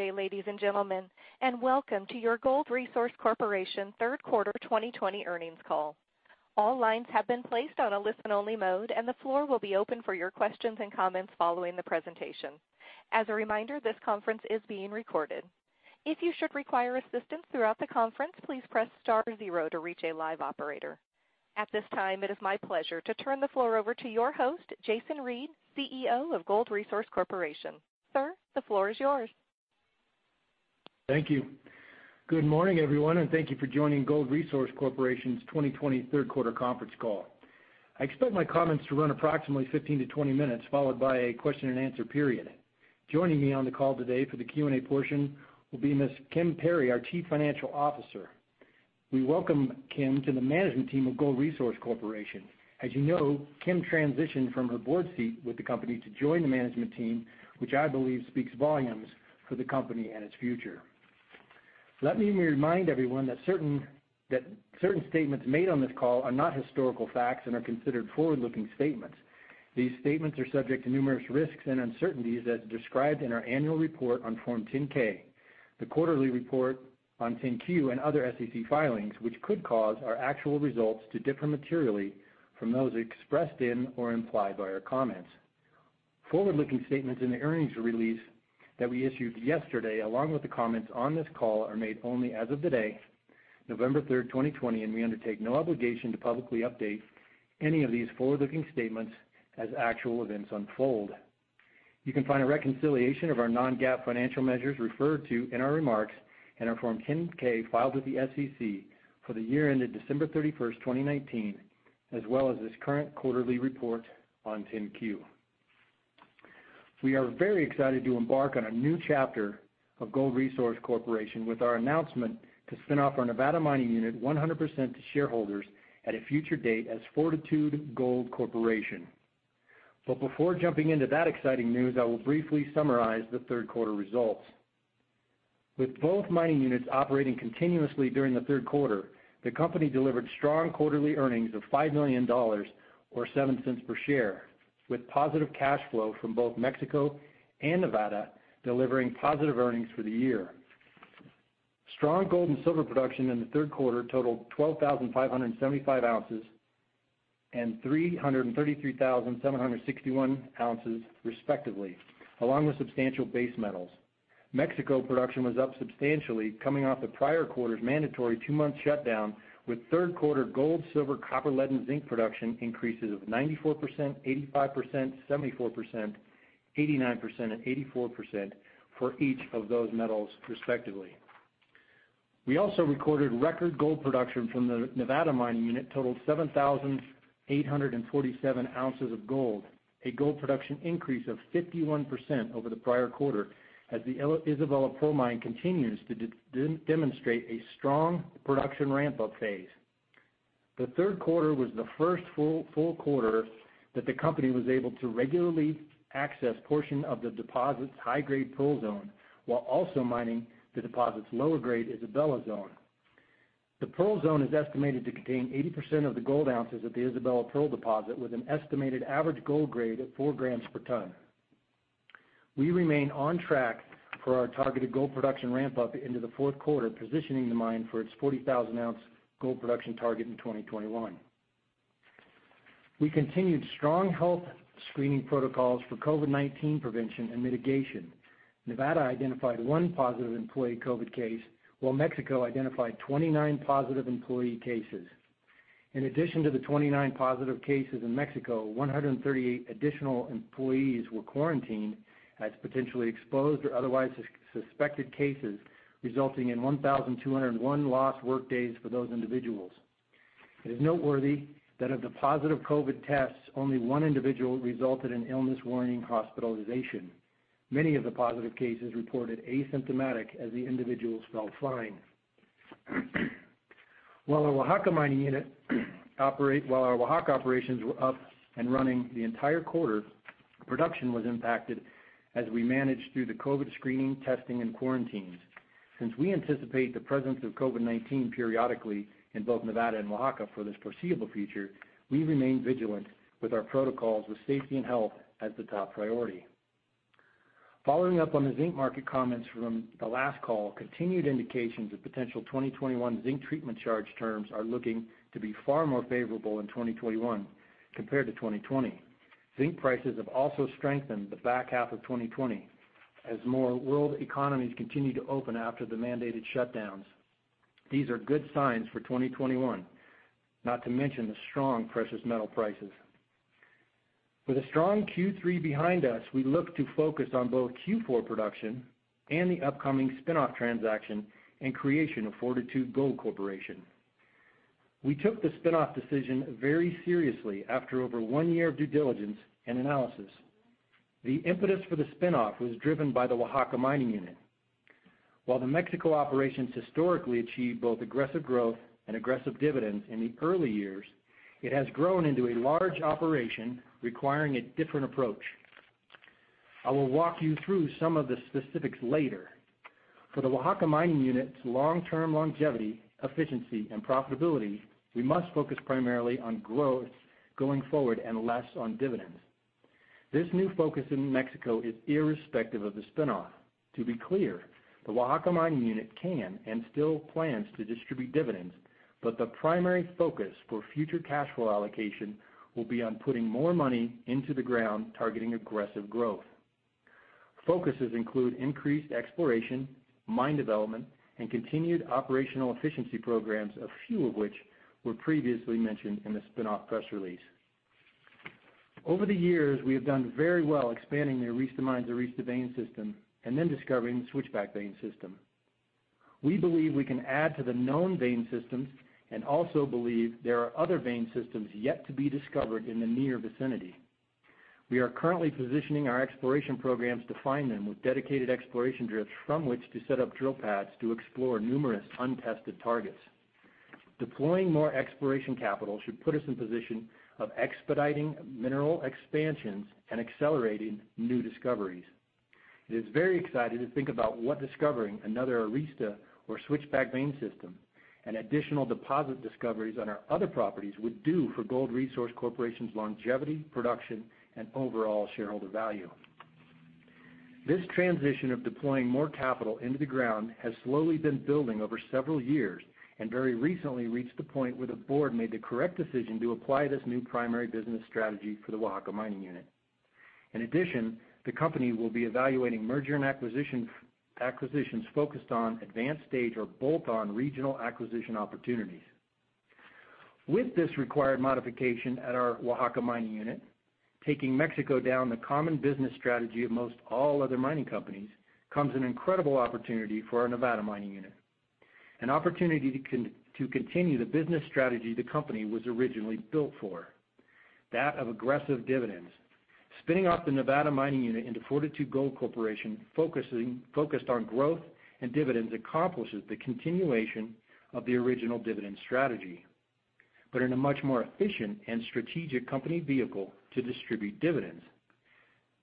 Okay, ladies and gentlemen, and welcome to your Gold Resource Corporation third quarter 2020 earnings call. All lines have been placed on a listen-only mode, and the floor will be open for your questions and comments following the presentation. As a reminder, this conference is being recorded. If you should require assistance throughout the conference, please press star zero to reach a live operator. At this time, it is my pleasure to turn the floor over to your host, Jason Reid, CEO of Gold Resource Corporation. Sir, the floor is yours. Thank you. Good morning, everyone, and thank you for joining Gold Resource Corporation's 2020 third quarter conference call. I expect my comments to run approximately 15- 20 minutes, followed by a question and answer period. Joining me on the call today for the Q&A portion will be Ms. Kim Perry, our Chief Financial Officer. We welcome Kim to the management team of Gold Resource Corporation. As you know, Kim transitioned from her board seat with the company to join the management team, which I believe speaks volumes for the company and its future. Let me remind everyone that certain statements made on this call are not historical facts and are considered forward-looking statements. These statements are subject to numerous risks and uncertainties, as described in our annual report on Form 10-K, the quarterly report on 10-Q, and other SEC filings, which could cause our actual results to differ materially from those expressed in or implied by our comments. Forward-looking statements in the earnings release that we issued yesterday, along with the comments on this call, are made only as of today, November 3rd, 2020, and we undertake no obligation to publicly update any of these forward-looking statements as actual events unfold. You can find a reconciliation of our non-GAAP financial measures referred to in our remarks in our Form 10-K filed with the SEC for the year ended December 31st, 2019, as well as this current quarterly report on 10-Q. We are very excited to embark on a new chapter of Gold Resource Corporation with our announcement to spin off our Nevada Mining Unit 100% to shareholders at a future date as Fortitude Gold Corporation. Before jumping into that exciting news, I will briefly summarize the third quarter results. With both mining units operating continuously during the third quarter, the company delivered strong quarterly earnings of $5 million or $0.07 per share, with positive cash flow from both Mexico and Nevada delivering positive earnings for the year. Strong gold and silver production in the third quarter totaled 12,575 ounces and 333,761 ounces, respectively, along with substantial base metals. Mexico production was up substantially, coming off the prior quarter's mandatory two-month shutdown, with third quarter gold, silver, copper, lead, and zinc production increases of 94%, 85%, 74%, 89%, and 84% for each of those metals, respectively. We also recorded record gold production from the Nevada Mining Unit totaling 7,847 ounces of gold, a gold production increase of 51% over the prior quarter, as the Isabella Pearl Mine continues to demonstrate a strong production ramp-up phase. The third quarter was the first full quarter that the company was able to regularly access a portion of the deposit's high-grade Pearl Zone while also mining the deposit's lower-grade Isabella Zone. The Pearl Zone is estimated to contain 80% of the gold ounces of the Isabella Pearl deposit, with an estimated average gold grade of 4 grams per ton. We remain on track for our targeted gold production ramp-up into the fourth quarter, positioning the mine for its 40,000-ounce gold production target in 2021. We continued strong health screening protocols for COVID-19 prevention and mitigation. Nevada identified one positive employee COVID case, while Mexico identified 29 positive employee cases. In addition to the 29 positive cases in Mexico, 138 additional employees were quarantined as potentially exposed or otherwise suspected cases, resulting in 1,201 lost workdays for those individuals. It is noteworthy that of the positive COVID tests, only one individual resulted in illness warranting hospitalization. Many of the positive cases reported asymptomatic as the individuals felt fine. While our Oaxaca Mining Unit operates while our Oaxaca operations were up and running the entire quarter, production was impacted as we managed through the COVID screening, testing, and quarantines. Since we anticipate the presence of COVID-19 periodically in both Nevada and Oaxaca for this foreseeable future, we remain vigilant with our protocols with safety and health as the top priority. Following up on the zinc market comments from the last call, continued indications of potential 2021 zinc treatment charge terms are looking to be far more favorable in 2021 compared to 2020. Zinc prices have also strengthened the back half of 2020 as more world economies continue to open after the mandated shutdowns. These are good signs for 2021, not to mention the strong precious metal prices. With a strong Q3 behind us, we look to focus on both Q4 production and the upcoming spinoff transaction and creation of Fortitude Gold Corporation. We took the spinoff decision very seriously after over one year of due diligence and analysis. The impetus for the spinoff was driven by the Oaxaca Mining Unit. While the Mexico operations historically achieved both aggressive growth and aggressive dividends in the early years, it has grown into a large operation requiring a different approach. I will walk you through some of the specifics later. For the Oaxaca Mining Unit's long-term longevity, efficiency, and profitability, we must focus primarily on growth going forward and less on dividends. This new focus in Mexico is irrespective of the spinoff. To be clear, the Oaxaca Mining Unit can and still plans to distribute dividends, but the primary focus for future cash flow allocation will be on putting more money into the ground targeting aggressive growth. Focuses include increased exploration, mine development, and continued operational efficiency programs, a few of which were previously mentioned in the spinoff press release. Over the years, we have done very well expanding the Arista Mine’s Arista Vein System and then discovering the Switchback Vein System. We believe we can add to the known vein systems and also believe there are other vein systems yet to be discovered in the near vicinity. We are currently positioning our exploration programs to find them with dedicated exploration drifts from which to set up drill pads to explore numerous untested targets. Deploying more exploration capital should put us in position of expediting mineral expansions and accelerating new discoveries. It is very exciting to think about what discovering another Arista or Switchback Vein System and additional deposit discoveries on our other properties would do for Gold Resource Corporation's longevity, production, and overall shareholder value. This transition of deploying more capital into the ground has slowly been building over several years and very recently reached the point where the board made the correct decision to apply this new primary business strategy for the Oaxaca Mining Unit. In addition, the company will be evaluating merger and acquisitions focused on advanced stage or bolt-on regional acquisition opportunities. With this required modification at our Oaxaca Mining Unit, taking Mexico down the common business strategy of most all other mining companies comes an incredible opportunity for our Nevada Mining Unit. An opportunity to continue the business strategy the company was originally built for, that of aggressive dividends. Spinning off the Nevada Mining Unit into Fortitude Gold Corporation focused on growth and dividends accomplishes the continuation of the original dividend strategy, but in a much more efficient and strategic company vehicle to distribute dividends.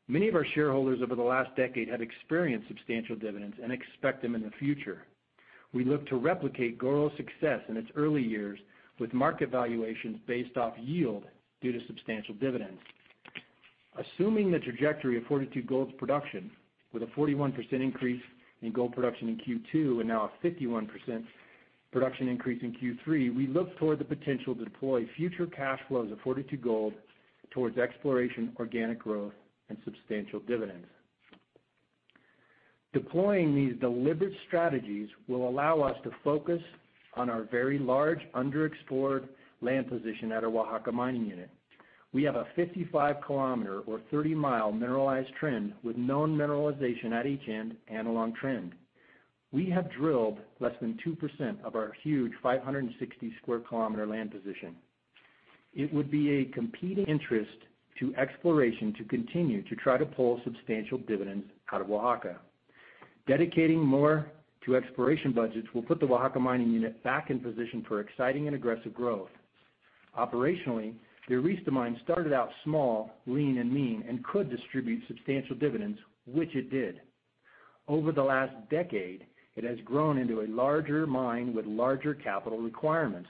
Many of our shareholders over the last decade have experienced substantial dividends and expect them in the future. We look to replicate Gold's success in its early years with market valuations based off yield due to substantial dividends. Assuming the trajectory of Fortitude Gold's production with a 41% increase in gold production in Q2 and now a 51% production increase in Q3, we look toward the potential to deploy future cash flows of Fortitude Gold towards exploration, organic growth, and substantial dividends. Deploying these deliberate strategies will allow us to focus on our very large underexplored land position at our Oaxaca Mining Unit. We have a 55 km or 30 mi mineralized trend with known mineralization at each end and along trend. We have drilled less than 2% of our huge 560 sq km land position. It would be a competing interest to exploration to continue to try to pull substantial dividends out of Oaxaca. Dedicating more to exploration budgets will put the Oaxaca Mining Unit back in position for exciting and aggressive growth. Operationally, the Arista Mine started out small, lean, and mean and could distribute substantial dividends, which it did. Over the last decade, it has grown into a larger mine with larger capital requirements.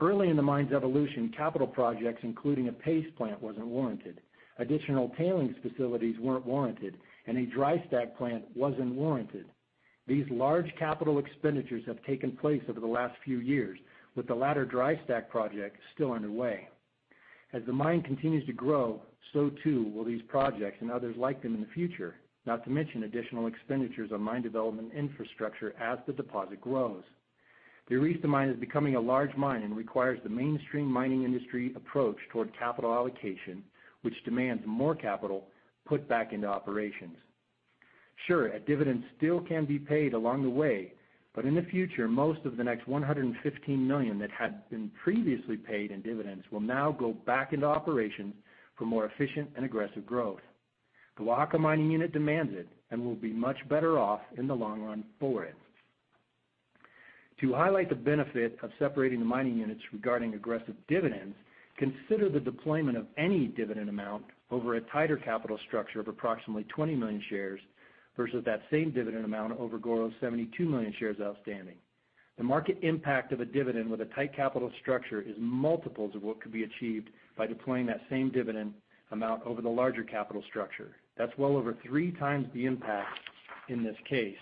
Early in the mine's evolution, capital projects including a paste plant were warranted, additional tailings facilities were warranted, and a dry stack plant was not warranted. These large capital expenditures have taken place over the last few years, with the latter dry stack project still underway. As the mine continues to grow, so too will these projects and others like them in the future, not to mention additional expenditures on mine development infrastructure as the deposit grows. The Arista Mine is becoming a large mine and requires the mainstream mining industry approach toward capital allocation, which demands more capital put back into operations. Sure, a dividend still can be paid along the way, but in the future, most of the next $115 million that had been previously paid in dividends will now go back into operations for more efficient and aggressive growth. The Oaxaca Mining Unit demands it and will be much better off in the long run for it. To highlight the benefit of separating the mining units regarding aggressive dividends, consider the deployment of any dividend amount over a tighter capital structure of approximately 20 million shares versus that same dividend amount over Gold's 72 million shares outstanding. The market impact of a dividend with a tight capital structure is multiples of what could be achieved by deploying that same dividend amount over the larger capital structure. That's well over three times the impact in this case.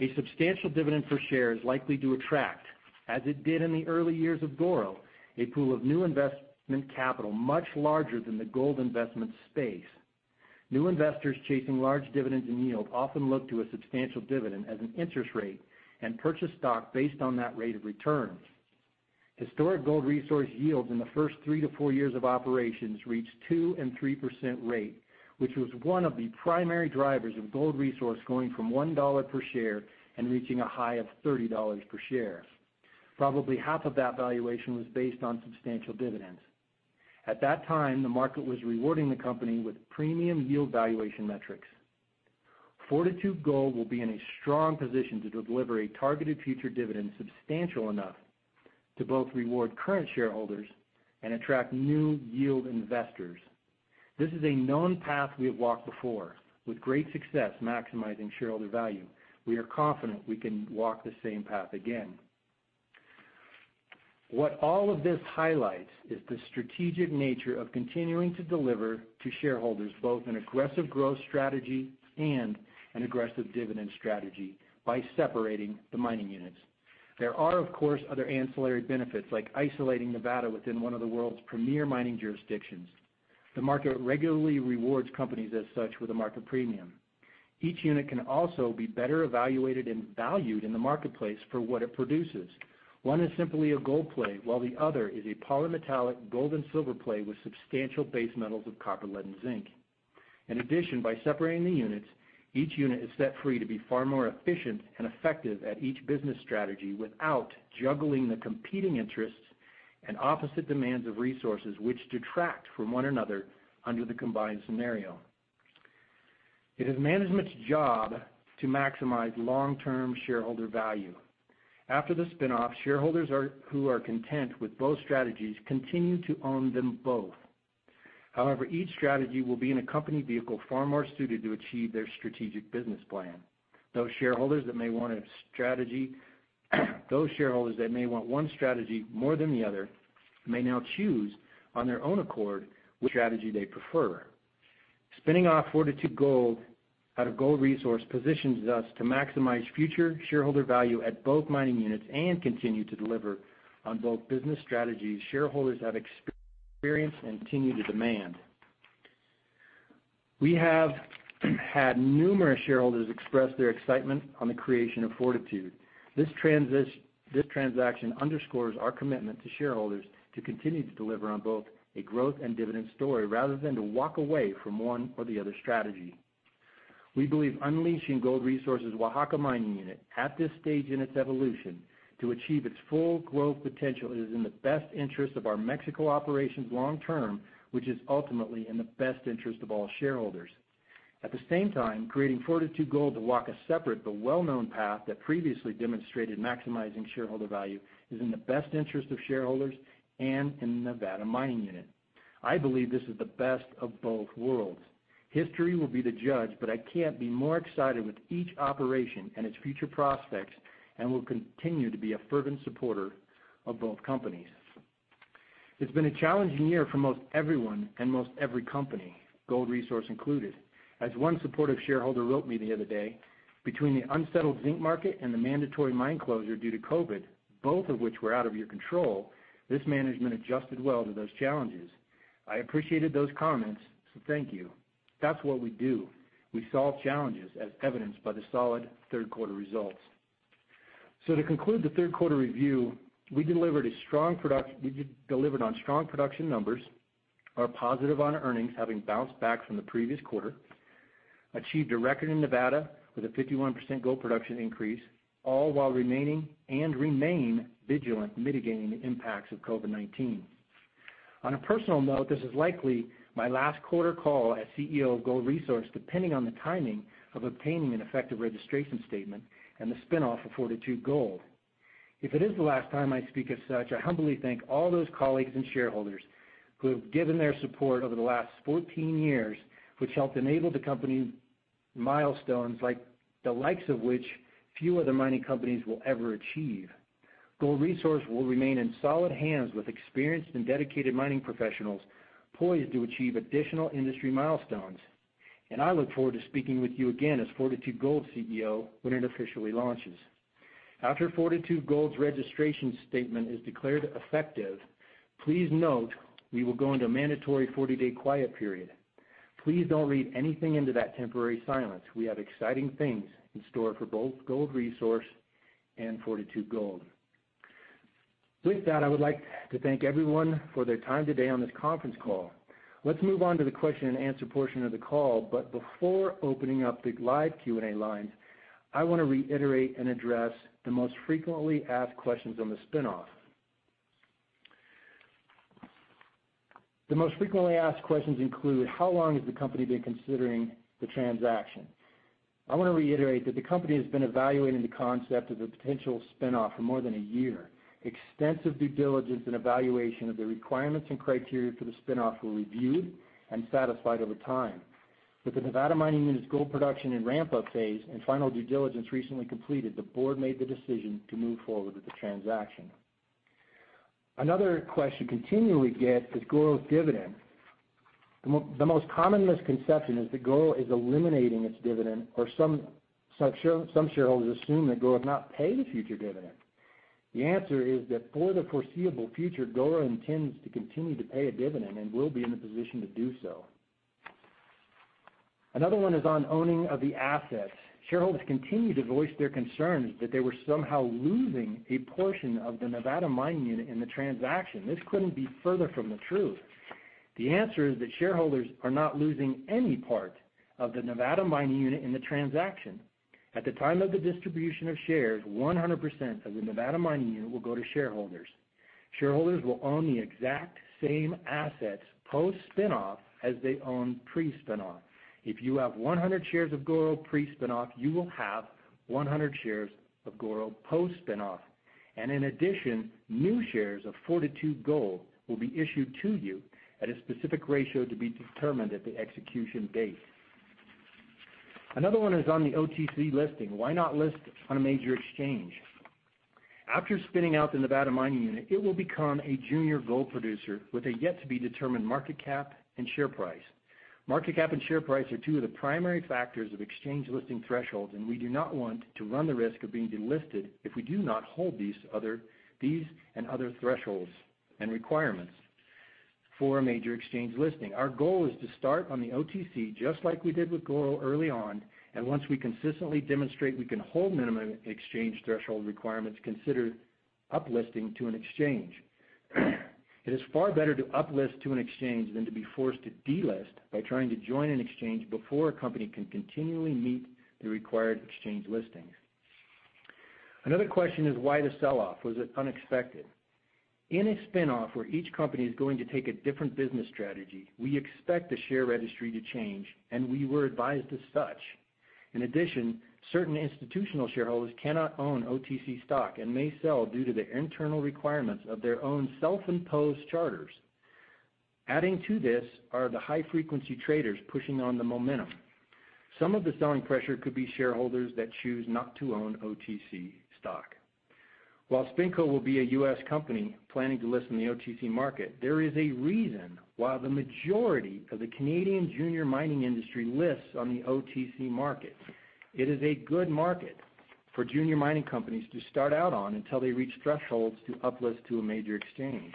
A substantial dividend per share is likely to attract, as it did in the early years of Gold Resource, a pool of new investment capital much larger than the gold investment space. New investors chasing large dividends and yield often look to a substantial dividend as an interest rate and purchase stock based on that rate of return. Historic Gold Resource yields in the first three to four years of operations reached 2% and 3% rate, which was one of the primary drivers of Gold Resource going from $1 per share and reaching a high of $30 per share. Probably half of that valuation was based on substantial dividends. At that time, the market was rewarding the company with premium yield valuation metrics. Fortitude Gold will be in a strong position to deliver a targeted future dividend substantial enough to both reward current shareholders and attract new yield investors. This is a known path we have walked before with great success maximizing shareholder value. We are confident we can walk the same path again. What all of this highlights is the strategic nature of continuing to deliver to shareholders both an aggressive growth strategy and an aggressive dividend strategy by separating the mining units. There are, of course, other ancillary benefits like isolating Nevada within one of the world's premier mining jurisdictions. The market regularly rewards companies as such with a market premium. Each unit can also be better evaluated and valued in the marketplace for what it produces. One is simply a gold play while the other is a polymetallic gold and silver play with substantial base metals of copper, lead, and zinc. In addition, by separating the units, each unit is set free to be far more efficient and effective at each business strategy without juggling the competing interests and opposite demands of resources, which detract from one another under the combined scenario. It is management's job to maximize long-term shareholder value. After the spinoff, shareholders who are content with both strategies continue to own them both. However, each strategy will be in a company vehicle far more suited to achieve their strategic business plan. Those shareholders that may want a strategy, those shareholders that may want one strategy more than the other, may now choose on their own accord which strategy they prefer. Spinning off Fortitude Gold out of Gold Resource positions us to maximize future shareholder value at both mining units and continue to deliver on both business strategies shareholders have experienced and continue to demand. We have had numerous shareholders express their excitement on the creation of Fortitude. This transaction underscores our commitment to shareholders to continue to deliver on both a growth and dividend story rather than to walk away from one or the other strategy. We believe unleashing Gold Resource's Oaxaca Mining Unit at this stage in its evolution to achieve its full growth potential is in the best interest of our Mexico operations long term, which is ultimately in the best interest of all shareholders. At the same time, creating Fortitude Gold to walk a separate but well-known path that previously demonstrated maximizing shareholder value is in the best interest of shareholders and in the Nevada Mining Unit. I believe this is the best of both worlds. History will be the judge, but I can't be more excited with each operation and its future prospects and will continue to be a fervent supporter of both companies. It's been a challenging year for most everyone and most every company, Gold Resource included. As one supportive shareholder wrote me the other day, "Between the unsettled zinc market and the mandatory mine closure due to COVID, both of which were out of your control, this management adjusted well to those challenges. I appreciated those comments, so thank you. That's what we do. We solve challenges, as evidenced by the solid third-quarter results." To conclude the third-quarter review, we delivered on strong production numbers, are positive on earnings having bounced back from the previous quarter, achieved a record in Nevada with a 51% gold production increase, all while remaining and remain vigilant mitigating the impacts of COVID-19. On a personal note, this is likely my last quarter call as CEO of Gold Resource, depending on the timing of obtaining an effective registration statement and the spinoff of Fortitude Gold. If it is the last time I speak as such, I humbly thank all those colleagues and shareholders who have given their support over the last 14 years, which helped enable the company milestones like the likes of which few other mining companies will ever achieve. Gold Resource will remain in solid hands with experienced and dedicated mining professionals poised to achieve additional industry milestones. I look forward to speaking with you again as Fortitude Gold CEO when it officially launches. After Fortitude Gold's registration statement is declared effective, please note we will go into a mandatory 40-day quiet period. Please do not read anything into that temporary silence. We have exciting things in store for both Gold Resource and Fortitude Gold. With that, I would like to thank everyone for their time today on this conference call. Let's move on to the question-and-answer portion of the call, but before opening up the live Q&A lines, I want to reiterate and address the most frequently asked questions on the spinoff. The most frequently asked questions include: "How long has the company been considering the transaction?" I want to reiterate that the company has been evaluating the concept of the potential spinoff for more than a year. Extensive due diligence and evaluation of the requirements and criteria for the spinoff were reviewed and satisfied over time. With the Nevada Mining Unit's gold production and ramp-up phase and final due diligence recently completed, the board made the decision to move forward with the transaction. Another question continually gets is Gold's dividend. The most common misconception is that Gold is eliminating its dividend, or some shareholders assume that Gold has not paid a future dividend. The answer is that for the foreseeable future, Gold intends to continue to pay a dividend and will be in the position to do so. Another one is on owning of the assets. Shareholders continue to voice their concerns that they were somehow losing a portion of the Nevada Mining Unit in the transaction. This could not be further from the truth. The answer is that shareholders are not losing any part of the Nevada Mining Unit in the transaction. At the time of the distribution of shares, 100% of the Nevada Mining Unit will go to shareholders. Shareholders will own the exact same assets post-spinoff as they owned pre-spinoff. If you have 100 shares of Gold Resource pre-spinoff, you will have 100 shares of Gold Resource post-spinoff. In addition, new shares of Fortitude Gold will be issued to you at a specific ratio to be determined at the execution date. Another one is on the OTC listing. Why not list on a major exchange? After spinning out the Nevada Mining Unit, it will become a junior gold producer with a yet-to-be-determined market cap and share price. Market cap and share price are two of the primary factors of exchange listing thresholds, and we do not want to run the risk of being delisted if we do not hold these and other thresholds and requirements for a major exchange listing. Our goal is to start on the OTC just like we did with Gold early on, and once we consistently demonstrate we can hold minimum exchange threshold requirements, consider uplisting to an exchange. It is far better to uplist to an exchange than to be forced to delist by trying to join an exchange before a company can continually meet the required exchange listings. Another question is: "Why the selloff? Was it unexpected?" In a spinoff where each company is going to take a different business strategy, we expect the share registry to change, and we were advised as such. In addition, certain institutional shareholders cannot own OTC stock and may sell due to the internal requirements of their own self-imposed charters. Adding to this are the high-frequency traders pushing on the momentum. Some of the selling pressure could be shareholders that choose not to own OTC stock. While Spinco will be a U.S. company planning to list in the OTC market, there is a reason why the majority of the Canadian junior mining industry lists on the OTC market. It is a good market for junior mining companies to start out on until they reach thresholds to uplist to a major exchange.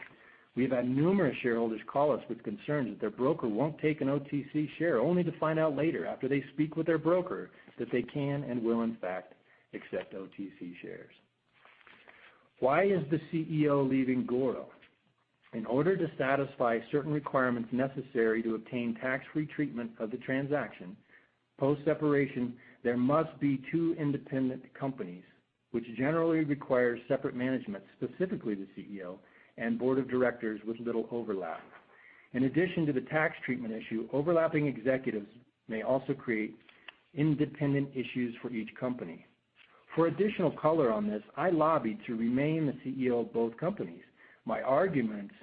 We have had numerous shareholders call us with concerns that their broker won't take an OTC share, only to find out later after they speak with their broker that they can and will, in fact, accept OTC shares. Why is the CEO leaving Gold? In order to satisfy certain requirements necessary to obtain tax-free treatment of the transaction, post-separation, there must be two independent companies, which generally requires separate management, specifically the CEO and board of directors with little overlap. In addition to the tax treatment issue, overlapping executives may also create independent issues for each company. For additional color on this, I lobbied to remain the CEO of both companies. My arguments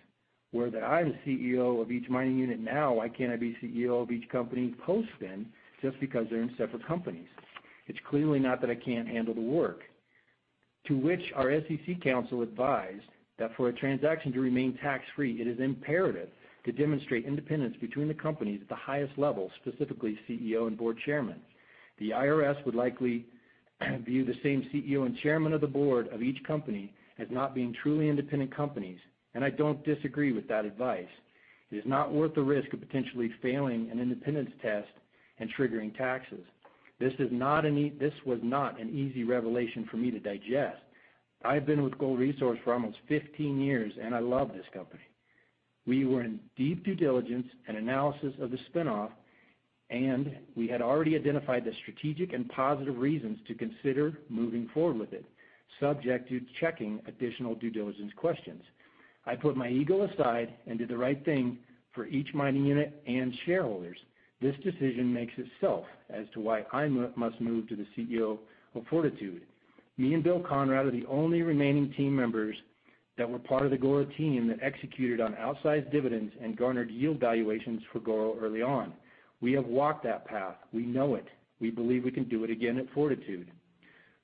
were that I am the CEO of each mining unit now; why can't I be CEO of each company post-spin just because they're in separate companies? It's clearly not that I can't handle the work. To which our SEC counsel advised that for a transaction to remain tax-free, it is imperative to demonstrate independence between the companies at the highest level, specifically CEO and board chairmen. The IRS would likely view the same CEO and chairman of the board of each company as not being truly independent companies, and I don't disagree with that advice. It is not worth the risk of potentially failing an independence test and triggering taxes. This was not an easy revelation for me to digest. I have been with Gold Resource for almost 15 years, and I love this company. We were in deep due diligence and analysis of the spinoff, and we had already identified the strategic and positive reasons to consider moving forward with it, subject to checking additional due diligence questions. I put my ego aside and did the right thing for each mining unit and shareholders. This decision makes itself as to why I must move to the CEO of Fortitude. Me and Bill Conrad are the only remaining team members that were part of the Gold team that executed on outsized dividends and garnered yield valuations for Gold early on. We have walked that path. We know it. We believe we can do it again at Fortitude.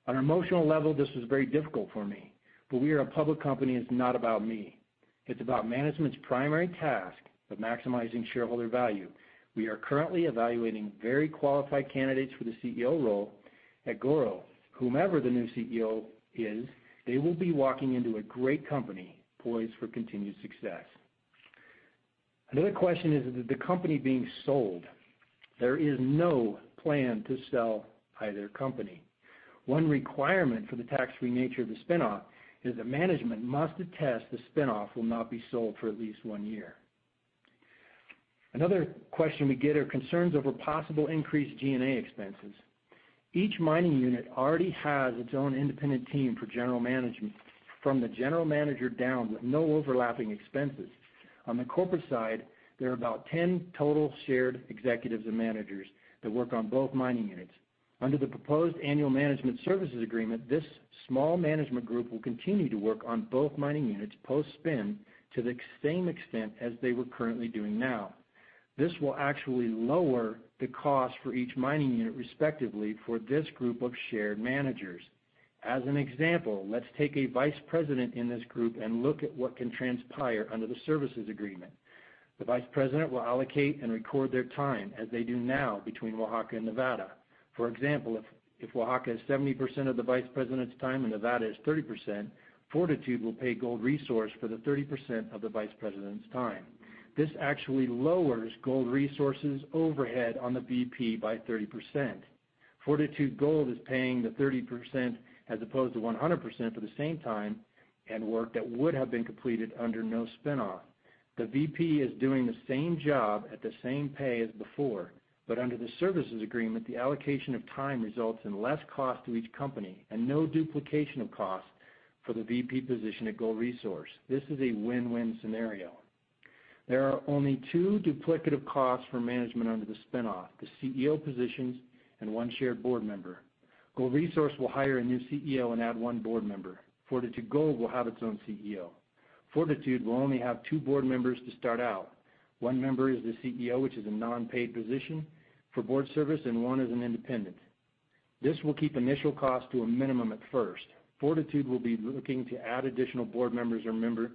On an emotional level, this was very difficult for me, but we are a public company. It's not about me. It's about management's primary task of maximizing shareholder value. We are currently evaluating very qualified candidates for the CEO role at Gold Resource Corporation. Whomever the new CEO is, they will be walking into a great company poised for continued success. Another question is: is the company being sold? There is no plan to sell either company. One requirement for the tax-free nature of the spinoff is that management must attest the spinoff will not be sold for at least one year. Another question we get are concerns over possible increased G&A expenses. Each mining unit already has its own independent team for general management from the general manager down with no overlapping expenses. On the corporate side, there are about 10 total shared executives and managers that work on both mining units. Under the proposed annual management services agreement, this small management group will continue to work on both mining units post-spin to the same extent as they were currently doing now. This will actually lower the cost for each mining unit respectively for this group of shared managers. As an example, let's take a Vice President in this group and look at what can transpire under the services agreement. The Vice President will allocate and record their time, as they do now, between Oaxaca and Nevada. For example, if Oaxaca is 70% of the Vice President's time and Nevada is 30%, Fortitude will pay Gold Resource for the 30% of the Vice President's time. This actually lowers Gold Resource's overhead on the VP by 30%. Fortitude Gold is paying the 30% as opposed to 100% for the same time and work that would have been completed under no spinoff. The VP is doing the same job at the same pay as before, but under the services agreement, the allocation of time results in less cost to each company and no duplication of cost for the VP position at Gold Resource. This is a win-win scenario. There are only two duplicative costs for management under the spinoff: the CEO positions and one shared board member. Gold Resource will hire a new CEO and add one board member. Fortitude Gold will have its own CEO. Fortitude will only have two board members to start out. One member is the CEO, which is a non-paid position for board service, and one is an independent. This will keep initial costs to a minimum at first. Fortitude will be looking to add additional board members or members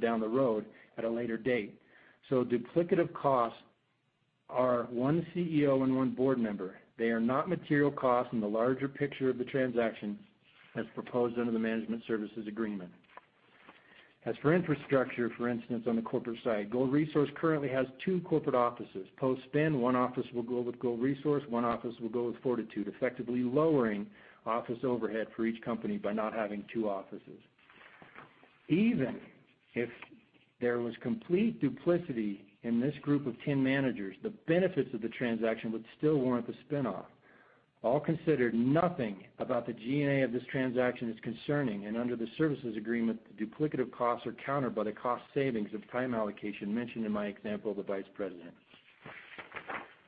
down the road at a later date. Duplicative costs are one CEO and one board member. They are not material costs in the larger picture of the transaction as proposed under the management services agreement. As for infrastructure, for instance, on the corporate side, Gold Resource currently has two corporate offices. Post-spin, one office will go with Gold Resource, one office will go with Fortitude, effectively lowering office overhead for each company by not having two offices. Even if there was complete duplicity in this group of 10 managers, the benefits of the transaction would still warrant the spinoff. All considered, nothing about the G&A of this transaction is concerning, and under the services agreement, the duplicative costs are countered by the cost savings of time allocation mentioned in my example of the vice president.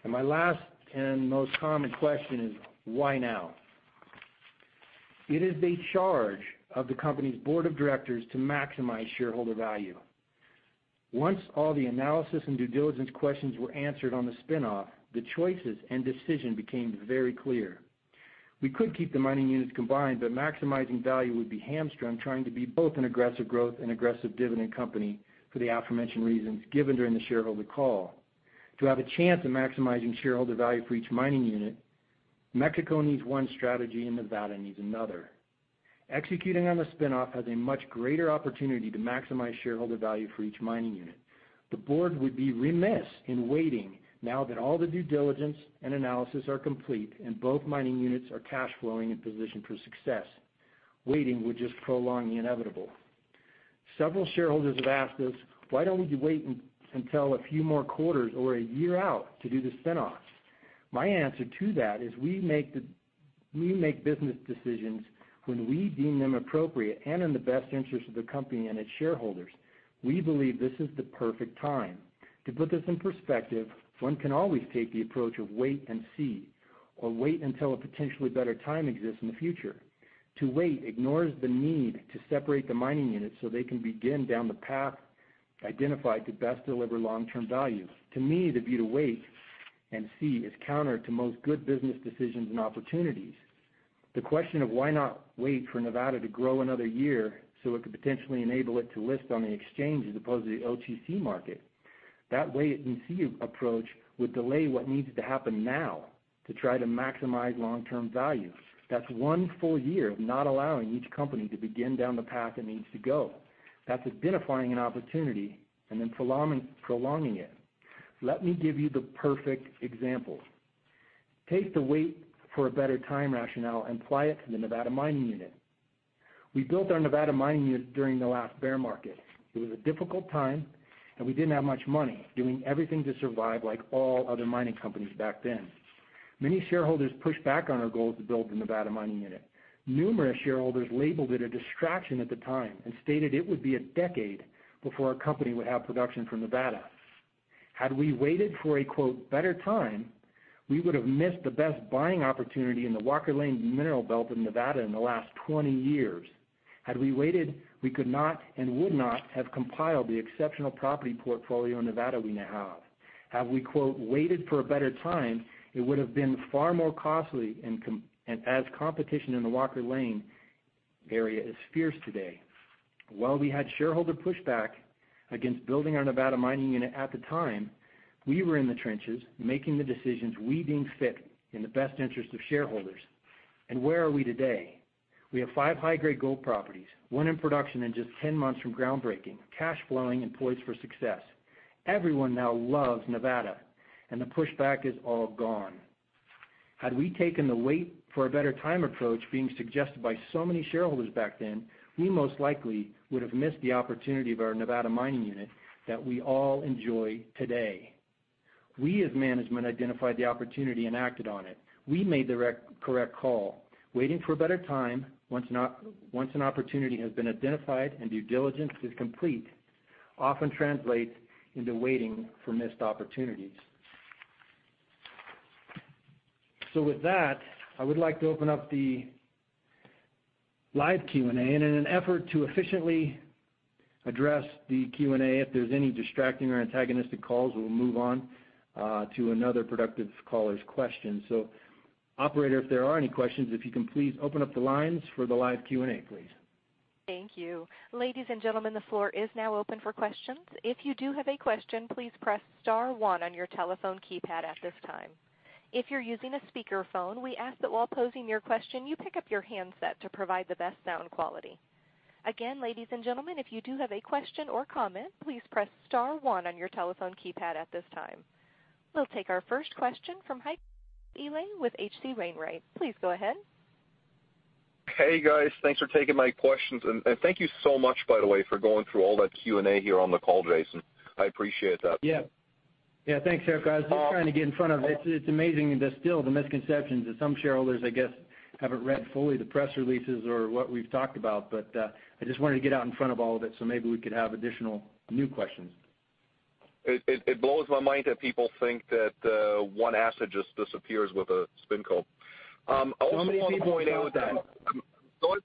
My last and most common question is: why now? It is the charge of the company's board of directors to maximize shareholder value. Once all the analysis and due diligence questions were answered on the spinoff, the choices and decision became very clear. We could keep the mining units combined, but maximizing value would be hamstrung trying to be both an aggressive growth and aggressive dividend company for the aforementioned reasons given during the shareholder call. To have a chance at maximizing shareholder value for each mining unit, Mexico needs one strategy and Nevada needs another. Executing on the spinoff has a much greater opportunity to maximize shareholder value for each mining unit. The board would be remiss in waiting now that all the due diligence and analysis are complete and both mining units are cash-flowing and positioned for success. Waiting would just prolong the inevitable. Several shareholders have asked us, "Why don't we wait until a few more quarters or a year out to do the spinoff?" My answer to that is we make business decisions when we deem them appropriate and in the best interest of the company and its shareholders. We believe this is the perfect time. To put this in perspective, one can always take the approach of wait and see, or wait until a potentially better time exists in the future. To wait ignores the need to separate the mining units so they can begin down the path identified to best deliver long-term value. To me, the view to wait and see is counter to most good business decisions and opportunities. The question of why not wait for Nevada to grow another year so it could potentially enable it to list on the exchange as opposed to the OTC market, that wait-and-see approach would delay what needs to happen now to try to maximize long-term value. That is one full year of not allowing each company to begin down the path it needs to go. That is identifying an opportunity and then prolonging it. Let me give you the perfect example. Take the wait-for-a-better-time rationale and apply it to the Nevada Mining Unit. We built our Nevada Mining Unit during the last bear market. It was a difficult time, and we did not have much money, doing everything to survive like all other mining companies back then. Many shareholders pushed back on our goals to build the Nevada Mining Unit. Numerous shareholders labeled it a distraction at the time and stated it would be a decade before our company would have production from Nevada. Had we waited for a "better time," we would have missed the best buying opportunity in the Walker Lane mineral belt in Nevada in the last 20 years. Had we waited, we could not and would not have compiled the exceptional property portfolio in Nevada we now have. Had we "waited for a better time," it would have been far more costly as competition in the Walker Lane area is fierce today. While we had shareholder pushback against building our Nevada Mining Unit at the time, we were in the trenches, making the decisions, weeding fit in the best interest of shareholders. Where are we today? We have five high-grade gold properties, one in production in just 10 months from groundbreaking, cash-flowing, and poised for success. Everyone now loves Nevada, and the pushback is all gone. Had we taken the wait-for-a-better-time approach being suggested by so many shareholders back then, we most likely would have missed the opportunity of our Nevada Mining Unit that we all enjoy today. We, as management, identified the opportunity and acted on it. We made the correct call. Waiting for a better time, once an opportunity has been identified and due diligence is complete, often translates into waiting for missed opportunities. With that, I would like to open up the live Q&A. In an effort to efficiently address the Q&A, if there's any distracting or antagonistic calls, we'll move on to another productive caller's question. Operator, if there are any questions, if you can please open up the lines for the live Q&A, please. Thank you. Ladies and gentlemen, the floor is now open for questions. If you do have a question, please press star one on your telephone keypad at this time. If you're using a speakerphone, we ask that while posing your question, you pick up your handset to provide the best sound quality. Again, ladies and gentlemen, if you do have a question or comment, please press star one on your telephone keypad at this time. We'll take our first question from Heiko Ihle with H.C. Wainwright. Please go ahead. Hey, guys. Thanks for taking my questions. And thank you so much, by the way, for going through all that Q&A here on the call, Jason. I appreciate that. Yeah. Yeah, thanks, Eric. I was just trying to get in front of it. It's amazing that still the misconceptions that some shareholders, I guess, haven't read fully the press releases or what we've talked about, but I just wanted to get out in front of all of it so maybe we could have additional new questions. It blows my mind that people think that one asset just disappears with a spinoff. How many people are now with that? Go ahead.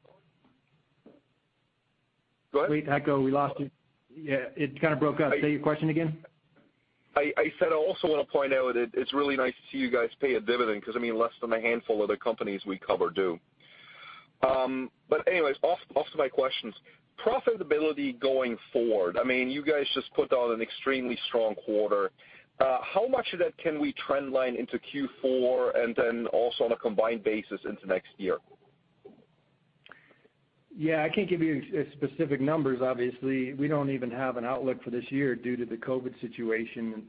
Wait, Heiko, we lost you. Yeah, it kind of broke up. Say your question again. I said I also want to point out that it's really nice to see you guys pay a dividend because, I mean, less than a handful of the companies we cover do. Anyways, off to my questions. Profitability going forward, I mean, you guys just put on an extremely strongquarter. How much of that can we trendline into Q4 and then also on a combined basis into next year? Yeah, I can't give you specific numbers, obviously. We don't even have an outlook for this year due to the COVID situation.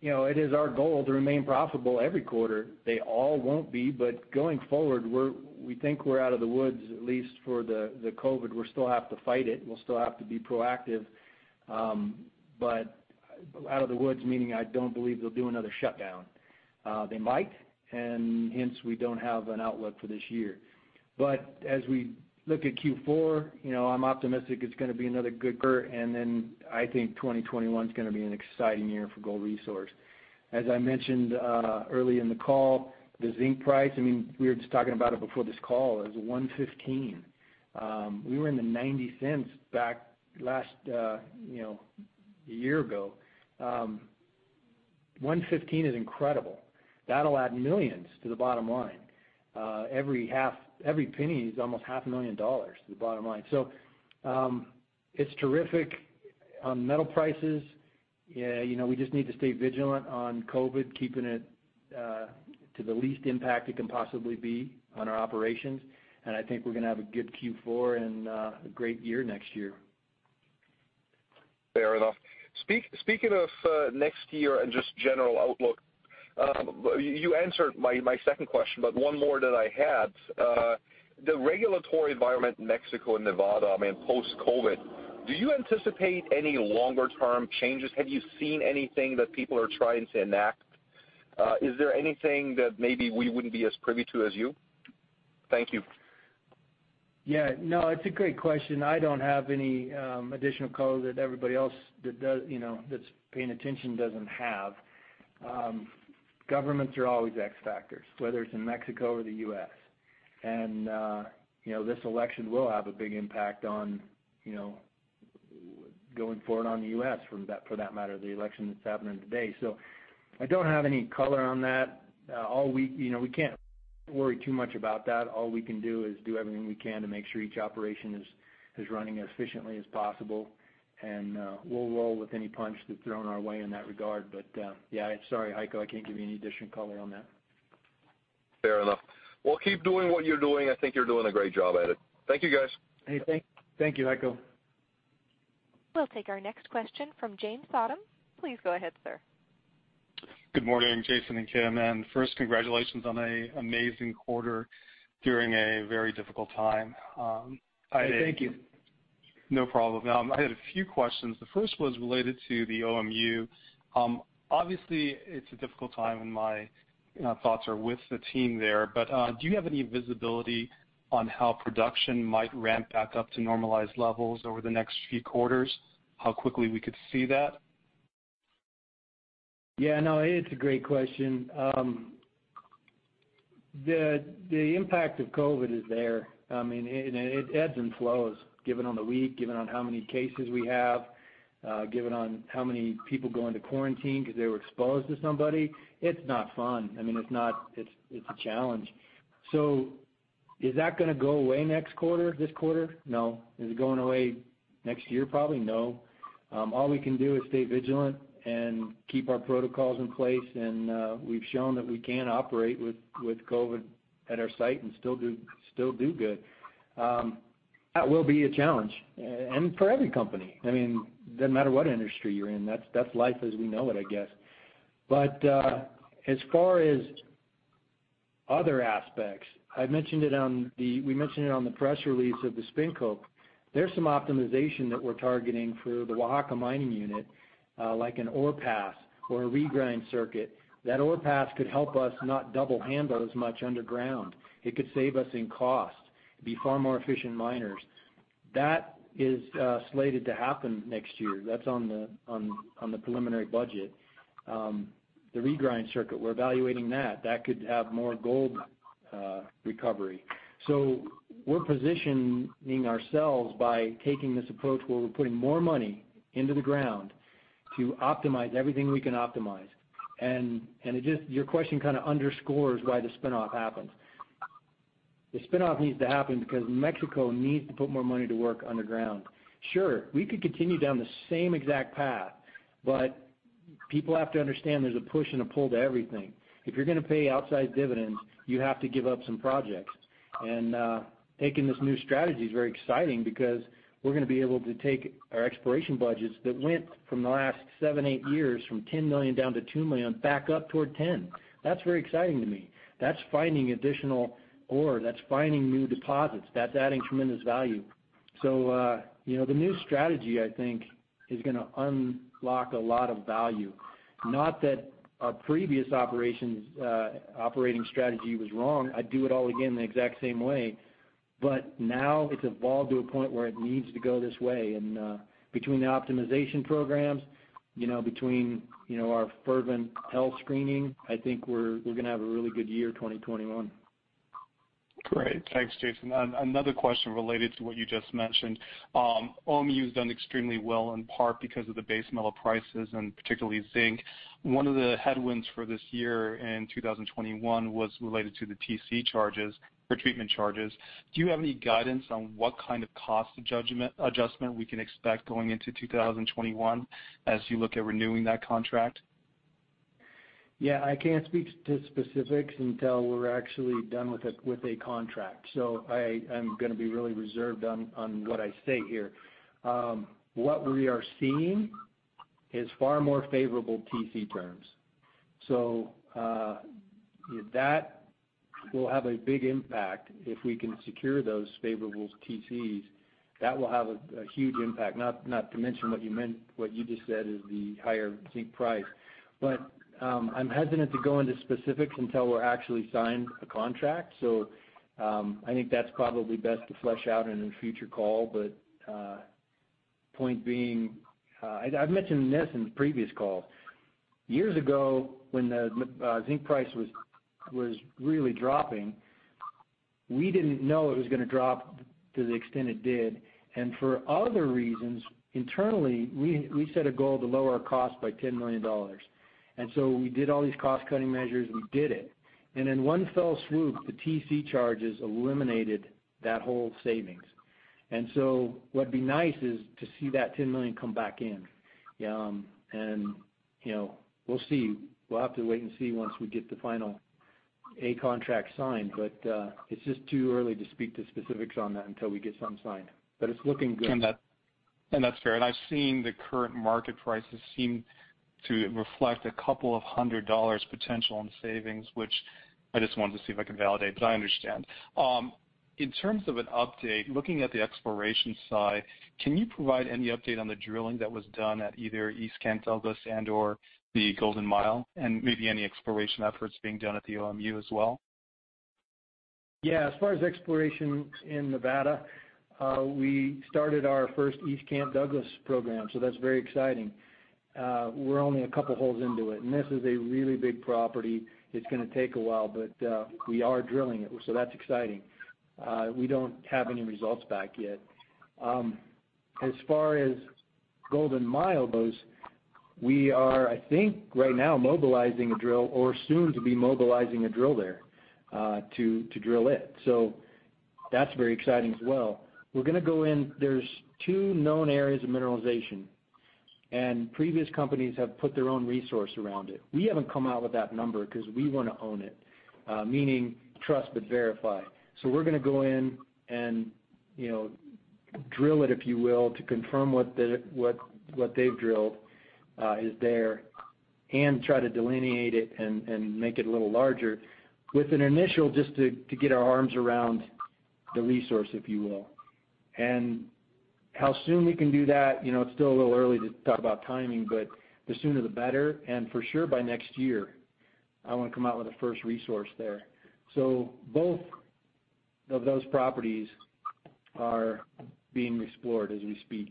It is our goal to remain profitable every quarter. They all won't be, but going forward, we think we're out of the woods, at least for the COVID. We'll still have to fight it. We'll still have to be proactive. Out of the woods meaning I don't believe they'll do another shutdown. They might, and hence we don't have an outlook for this year. As we look at Q4, I'm optimistic it's going to be another good quarter, and I think 2021 is going to be an exciting year for Gold Resource. As I mentioned early in the call, the zinc price, I mean, we were just talking about it before this call, is $1.15. We were in the $0.90 back last year ago. $1.15 is incredible. That'll add millions to the bottom line. Every penny is almost $500,000 to the bottom line. It is terrific on metal prices. We just need to stay vigilant on COVID, keeping it to the least impact it can possibly be on our operations. I think we're going to have a good Q4 and a great year next year. Fair enough. Speaking of next year and just general outlook, you answered my second question, but one more that I had. The regulatory environment in Mexico and Nevada, I mean, post-COVID, do you anticipate any longer-term changes? Have you seen anything that people are trying to enact? Is there anything that maybe we would not be as privy to as you? Thank you. Yeah. No, it is a great question. I do not have any additional code that everybody else that is paying attention does not have. Governments are always X factors, whether it is in Mexico or the U.S. This election will have a big impact on going forward on the U.S., for that matter, the election that is happening today. I do not have any color on that. We cannot worry too much about that. All we can do is do everything we can to make sure each operation is running as efficiently as possible. We will roll with any punch that is thrown our way in that regard. Yeah, sorry, Heiko, I cannot give you any additional color on that. Fair enough. Keep doing what you are doing. I think you are doing a great job at it. Thank you, guys. Hey, thank you, Heiko. We'll take our next question from James Sodden. Please go ahead, sir. Good morning, Jason and Kim. First, congratulations on an amazing quarter during a very difficult time. Thank you. No problem. I had a few questions. The first was related to the OMU. Obviously, it's a difficult time, and my thoughts are with the team there. Do you have any visibility on how production might ramp back up to normalized levels over the next few quarters? How quickly we could see that? Yeah, no, it's a great question. The impact of COVID is there. I mean, it ebbs and flows, given on the week, given on how many cases we have, given on how many people go into quarantine because they were exposed to somebody. It's not fun. I mean, it's a challenge. Is that going to go away next quarter, this quarter? No. Is it going away next year, probably? No. All we can do is stay vigilant and keep our protocols in place. We have shown that we can operate with COVID at our site and still do good. That will be a challenge. For every company, I mean, it does not matter what industry you are in. That is life as we know it, I guess. As far as other aspects, we mentioned it on the press release of the spinoff. There is some optimization that we are targeting for the Oaxaca Mining Unit, like an ore pass or a regrind circuit. That ore pass could help us not double handle as much underground. It could save us in cost, be far more efficient miners. That is slated to happen next year. That's on the preliminary budget. The regrind circuit, we're evaluating that. That could have more gold recovery. We are positioning ourselves by taking this approach where we're putting more money into the ground to optimize everything we can optimize. Your question kind of underscores why the spinoff happens. The spinoff needs to happen because Mexico needs to put more money to work underground. Sure, we could continue down the same exact path, but people have to understand there's a push and a pull to everything. If you're going to pay outsized dividends, you have to give up some projects. Taking this new strategy is very exciting because we're going to be able to take our exploration budgets that went from the last seven, eight years from $10 million down to $2 million back up toward $10 million. That's very exciting to me. That's finding additional ore. That's finding new deposits. That's adding tremendous value. The new strategy, I think, is going to unlock a lot of value. Not that our previous operating strategy was wrong. I'd do it all again the exact same way. Now it's evolved to a point where it needs to go this way. Between the optimization programs, between our fervent health screening, I think we're going to have a really good year, 2021. Great. Thanks, Jason. Another question related to what you just mentioned. OMU's done extremely well in part because of the base metal prices and particularly zinc. One of the headwinds for this year in 2021 was related to the TC charges for treatment charges. Do you have any guidance on what kind of cost adjustment we can expect going into 2021 as you look at renewing that contract? Yeah, I can't speak to specifics until we're actually done with a contract. I'm going to be really reserved on what I say here. What we are seeing is far more favorable TC terms. That will have a big impact. If we can secure those favorable TCs, that will have a huge impact. Not to mention what you just said is the higher zinc price. I'm hesitant to go into specifics until we've actually signed a contract. I think that's probably best to flesh out in a future call. Point being, I've mentioned this in previous calls. Years ago, when the zinc price was really dropping, we didn't know it was going to drop to the extent it did. For other reasons, internally, we set a goal to lower our cost by $10 million. We did all these cost-cutting measures. We did it. In one fell swoop, the TC charges eliminated that whole savings. What would be nice is to see that $10 million come back in. We will see. We have to wait and see once we get the final A contract signed. It is just too early to speak to specifics on that until we get something signed. It is looking good. That is fair. I have seen the current market prices seem to reflect a couple of hundred dollars potential in savings, which I just wanted to see if I could validate, but I understand. In terms of an update, looking at the exploration side, can you provide any update on the drilling that was done at either East Cantelis and/or the Golden Mile? Maybe any exploration efforts being done at the OMU as well? Yeah. As far as exploration in Nevada, we started our first East Cantelis program. That is very exciting. We are only a couple of holes into it. This is a really big property. It is going to take a while, but we are drilling it. That is exciting. We do not have any results back yet. As far as Golden Mile goes, we are, I think, right now mobilizing a drill or soon to be mobilizing a drill there to drill it. That is very exciting as well. We are going to go in. There are two known areas of mineralization. Previous companies have put their own resource around it. We have not come out with that number because we want to own it, meaning trust but verify. We're going to go in and drill it, if you will, to confirm what they've drilled is there and try to delineate it and make it a little larger with an initial just to get our arms around the resource, if you will. How soon we can do that, it's still a little early to talk about timing, but the sooner the better. For sure, by next year, I want to come out with a first resource there. Both of those properties are being explored as we speak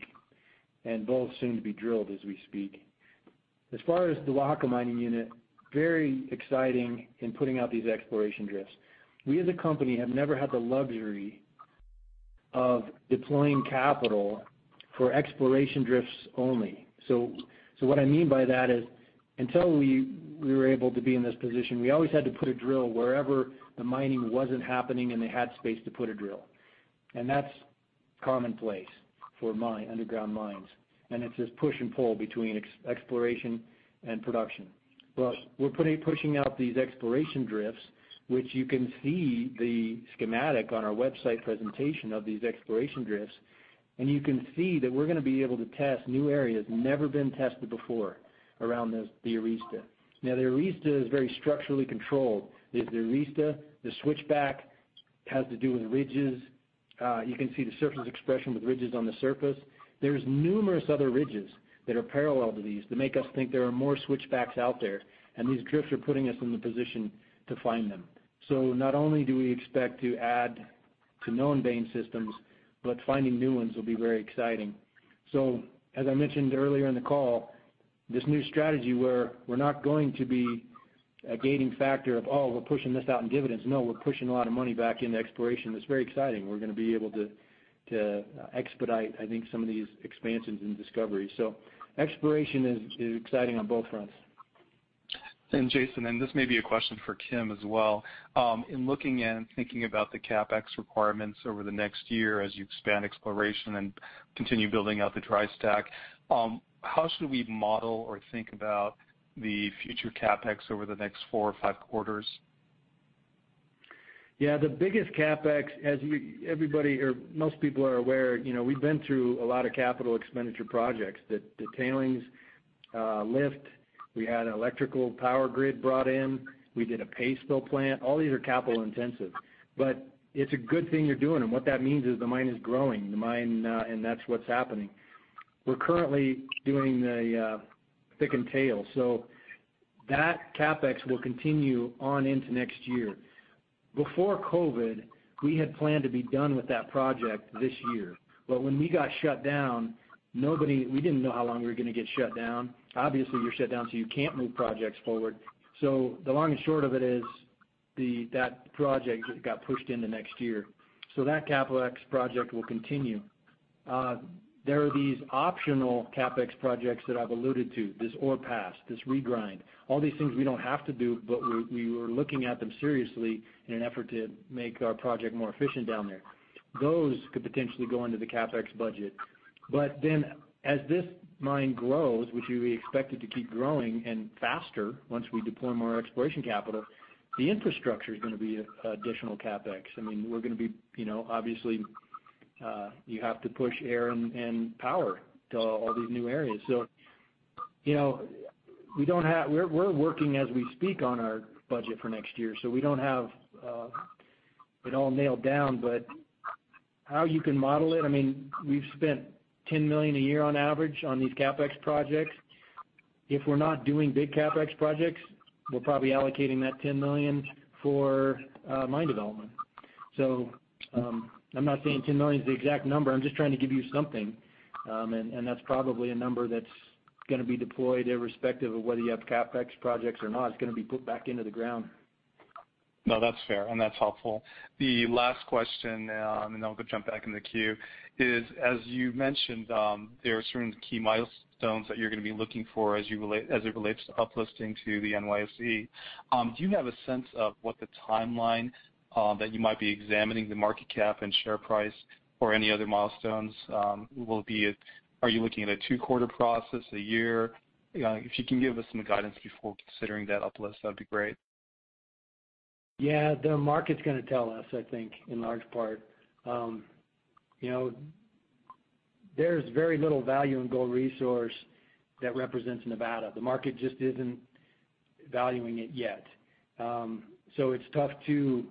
and both soon to be drilled as we speak. As far as the Oaxaca mining unit, very exciting in putting out these exploration drifts. We, as a company, have never had the luxury of deploying capital for exploration drifts only. What I mean by that is until we were able to be in this position, we always had to put a drill wherever the mining was not happening and they had space to put a drill. That is commonplace for underground mines. It is this push and pull between exploration and production. We are pushing out these exploration drifts, which you can see the schematic on our website presentation of these exploration drifts. You can see that we are going to be able to test new areas never been tested before around the Arista. Now, the Arista is very structurally controlled. There is the Arista. The Switchback has to do with ridges. You can see the surface expression with ridges on the surface. There are numerous other ridges that are parallel to these that make us think there are more Switchbacks out there. These drifts are putting us in the position to find them. Not only do we expect to add to known vein systems, but finding new ones will be very exciting. As I mentioned earlier in the call, this new strategy where we're not going to be a gating factor of, "Oh, we're pushing this out in dividends." No, we're pushing a lot of money back into exploration. It is very exciting. We're going to be able to expedite, I think, some of these expansions and discoveries. Exploration is exciting on bothfronts. Jason, and this may be a question for Kim as well. In looking and thinking about the CapEx requirements over the next year as you expand exploration and continue building out the dry stack, how should we model or think about the future CapEx over the next four or five quarters? Yeah. The biggest CapEx, as most people are aware, we've been through a lot of capital expenditure projects: the tailings lift. We had an electrical power grid brought in. We did a paste plant. All these are capital-intensive. It is a good thing you're doing. What that means is the mine is growing, and that is what is happening. We are currently doing the thick and tail. That CapEx will continue on into next year. Before COVID, we had planned to be done with that project this year. When we got shut down, we did not know how long we were going to get shut down. Obviously, you're shut down, so you cannot move projects forward. The long and short of it is that project got pushed into next year. That CapEx project will continue. There are these optional CapEx projects that I've alluded to, this ore pass, this regrind, all these things we do not have to do, but we were looking at them seriously in an effort to make our project more efficient down there. Those could potentially go into the CapEx budget. As this mine grows, which we expect it to keep growing and faster once we deploy more exploration capital, the infrastructure is going to be additional CapEx. I mean, we are going to be obviously, you have to push air and power to all these new areas. We are working as we speak on our budget for next year. We do not have it all nailed down. How you can model it, I mean, we have spent $10 million a year on average on these CapEx projects. If we're not doing big CapEx projects, we're probably allocating that $10 million for mine development. I'm not saying $10 million is the exact number. I'm just trying to give you something. That's probably a number that's going to be deployed irrespective of whether you have CapEx projects or not. It's going to be put back into the ground. No, that's fair. That's helpful. The last question, then we'll jump back in the queue, is as you mentioned, there are certain key milestones that you're going to be looking for as it relates to uplifting to the NYC. Do you have a sense of what the timeline that you might be examining the market cap and share price or any other milestones will be? Are you looking at a two-quarter process, a year? If you can give us some guidance before considering that uplift, that'd be great. Yeah. The market's going to tell us, I think, in large part. There's very little value in Gold Resource that represents Nevada. The market just isn't valuing it yet. It's tough to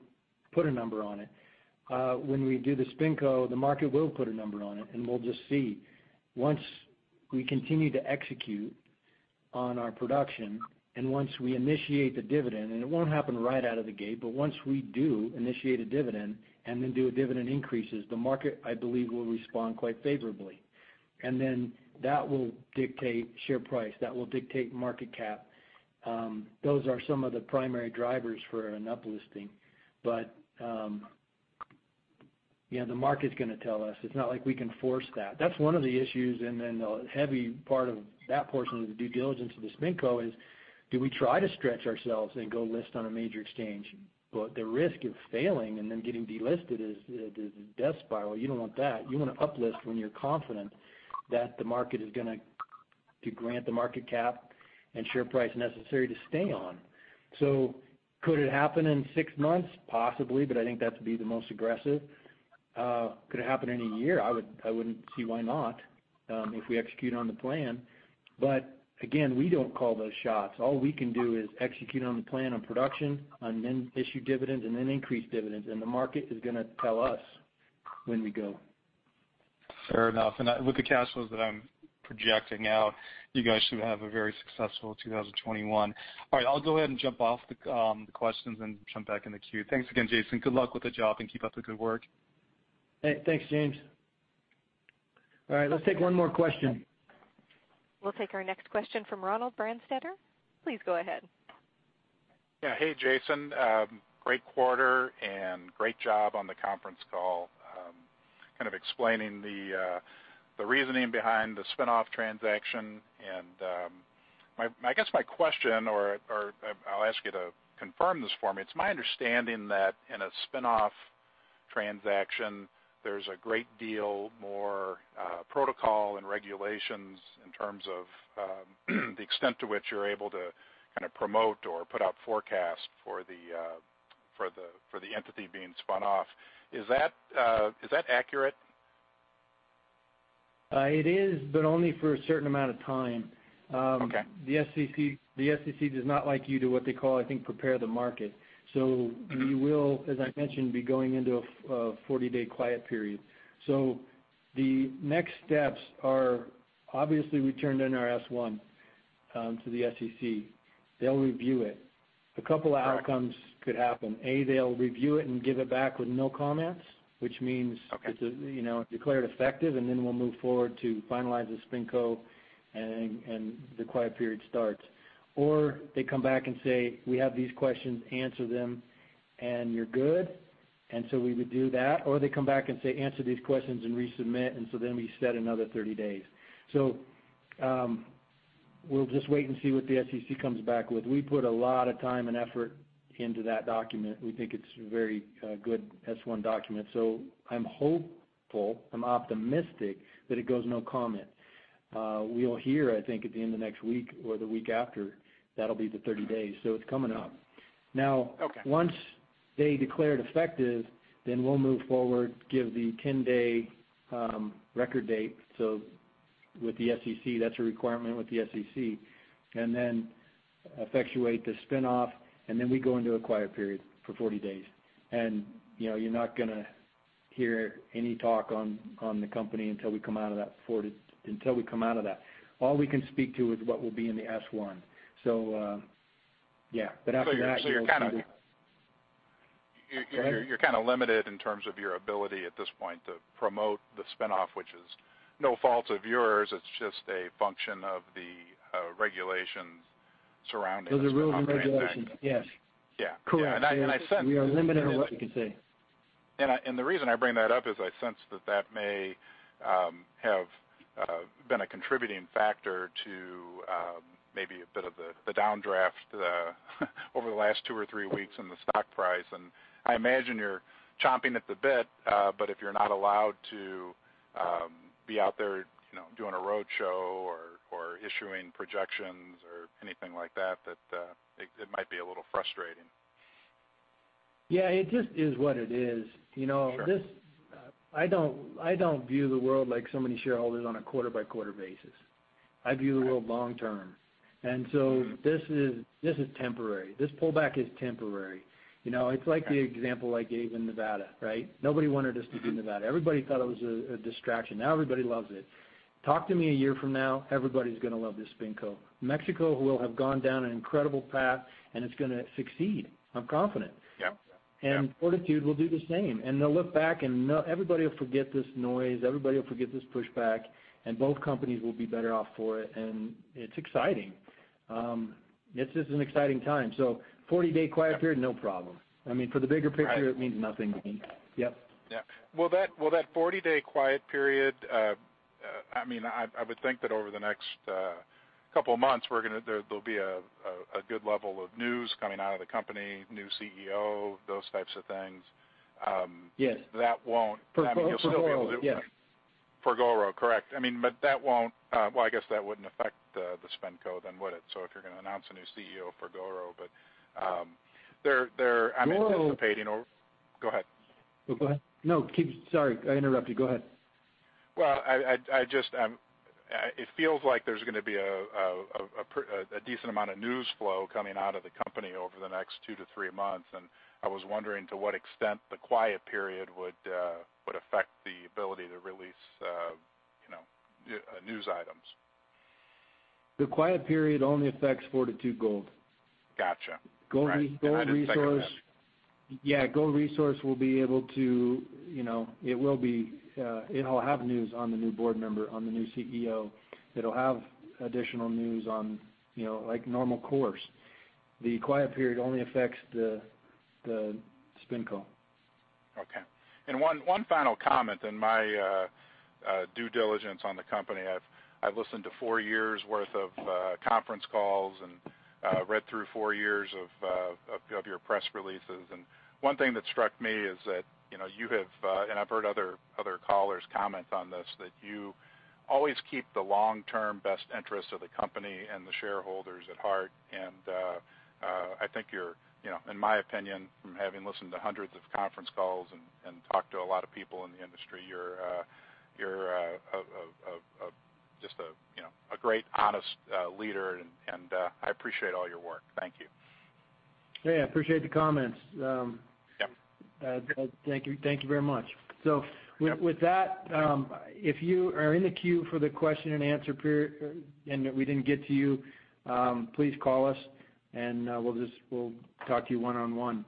put a number on it. When we do the spin coat, the market will put a number on it. We'll just see. Once we continue to execute on our production and once we initiate the dividend, and it won't happen right out of the gate, but once we do initiate a dividend and then do dividend increases, the market, I believe, will respond quite favorably. That will dictate share price. That will dictate market cap. Those are some of the primary drivers for an uplifting. Yeah, the market's going to tell us. It's not like we can force that. That's one of the issues. Then the heavy part of that portion of the due diligence of the spinoff is, do we try to stretch ourselves and go list on a major exchange? The risk of failing and then getting delisted is the death spiral. You don't want that. You want to uplift when you're confident that the market is going to grant the market cap and share price necessary to stay on. Could it happen in six months? Possibly. I think that would be the most aggressive. Could it happen in a year? I wouldn't see why not if we execute on the plan. Again, we don't call those shots. All we can do is execute on the plan on production, then issue dividends, then increase dividends. The market is going to tell us when we go. Fair enough. With the cash flows that I'm projecting out, you guys should have a very successful 2021. All right. I'll go ahead and jump off the questions and jump back in the queue. Thanks again, Jason. Good luck with the job and keep up the good work. Thanks, James. All right. Let's take one more question. We'll take our next question from Ronald Branstetter. Please go ahead. Yeah. Hey, Jason. Great quarter and great job on the conference call kind of explaining the reasoning behind the spinoff transaction. I guess my question, or I'll ask you to confirm this for me, it's my understanding that in a spinoff transaction, there's a great deal more protocol and regulations in terms of the extent to which you're able to kind of promote or put out forecasts for the entity being spun off. Is that accurate? It is, but only for a certain amount of time. The SEC does not like you to, what they call, I think, prepare the market. We will, as I mentioned, be going into a 40-day quiet period. The next steps are obviously we turned in our S-1 to the SEC. They'll review it. A couple of outcomes could happen. A, they'll review it and give it back with no comments, which means it's declared effective, and then we'll move forward to finalize the spinco and the quiet period starts. They could come back and say, "We have these questions. Answer them, and you're good." We would do that. They could come back and say, "Answer these questions and resubmit." Then we set another 30 days. We'll just wait and see what the SEC comes back with. We put a lot of time and effort into that document. We think it's a very good S-1 document. I am hopeful. I am optimistic that it goes no comment. We'll hear, I think, at the end of next week or the week after. That will be the 30 days. It is coming up. Once they declare it effective, we will move forward, give the 10-day record date. With the SEC, that is a requirement with the SEC. Then effectuate the spinoff, and we go into a quiet period for 40 days. You are not going to hear any talk on the company until we come out of that 40, until we come out of that. All we can speak to is what will be in the S-1. Yeah. After that, you're kind of limited in terms of your ability at this point to promote the spinoff, which is no fault of yours. It's just a function of the regulations surrounding the spinoff. Those are rules and regulations. Yes. Correct. I sense we are limited on what we can say. The reason I bring that up is I sense that that may have been a contributing factor to maybe a bit of the downdraft over the last two or three weeks in the stock price. I imagine you're chomping at the bit, but if you're not allowed to be out there doing a roadshow or issuing projections or anything like that, it might be a little frustrating. Yeah. It just is what it is. I don't view the world like so many shareholders on a quarter-by-quarter basis. I view the world long-term. This is temporary. This pullback is temporary. It is like the example I gave in Nevada, right? Nobody wanted us to be in Nevada. Everybody thought it was a distraction. Now everybody loves it. Talk to me a year from now. Everybody is going to love this spin coat. Mexico will have gone down an incredible path, and it is going to succeed. I am confident. And Fortitude will do the same. They will look back, and everybody will forget this noise. Everybody will forget this pushback. Both companies will be better off for it. It is exciting. It is just an exciting time. Forty-day quiet period, no problem. I mean, for the bigger picture, it means nothing to me. Yep. Yeah. That 40-day quiet period, I mean, I would think that over the next couple of months, there'll be a good level of news coming out of the company, new CEO, those types of things. That won't— Perfectly. Yeah. For GORO. Correct. I mean, but that won't—well, I guess that wouldn't affect the spin coat then, would it? If you're going to announce a new CEO for GORO, but they're anticipating—Go ahead. Go ahead. No. Sorry. I interrupted. Go ahead. It feels like there's going to be a decent amount of news flow coming out of the company over the next two to three months. I was wondering to what extent the quiet period would affect the ability to release news items The quiet period only affects Fortitude Gold. Gotcha. Gold Resource—Yeah. Gold Resource will be able to—it will have news on the new board member, on the new CEO. It will have additional news on normal course. The quiet period only affects the spin coat. Okay. One final comment in my due diligence on the company. I have listened to four years' worth of conference calls and read through four years of your press releases. One thing that struck me is that you have—and I have heard other callers comment on this—that you always keep the long-term best interest of the company and the shareholders at heart. I think you are, in my opinion, from having listened to hundreds of conference calls and talked to a lot of people in the industry, you are just a great, honest leader. I appreciate all your work. Thank you. Yeah. I appreciate the comments. Thank you very much. With that, if you are in the queue for the question-and-answer period and we did not get to you, please call us, and we will talk to you one-on-one.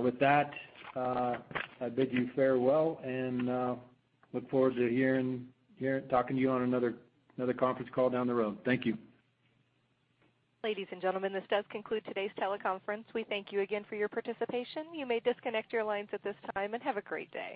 With that, I bid you farewell and look forward to hearing, talking to you on another conference call down the road. Thank you. Ladies and gentlemen, this does conclude today's teleconference. We thank you again for your participation. You may disconnect your lines at this time and have a great day.